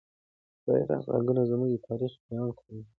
د بیرغ رنګونه زموږ د تاریخ بیان کوي.